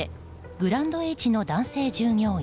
グランドＨの男性従業員。